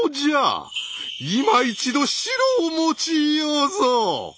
いま一度城を用いようぞ。